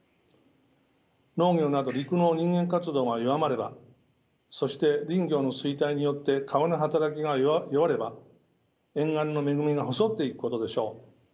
農業など陸の人間活動が弱まればそして林業の衰退によって川の働きが弱れば沿岸の恵みが細ってゆくことでしょう。